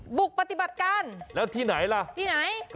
แบบนี้คือแบบนี้คือแบบนี้คือแบบนี้คือแบบนี้คือ